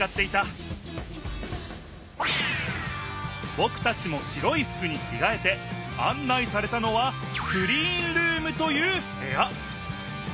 ぼくたちも白いふくにきがえてあん内されたのはクリーンルームというへや。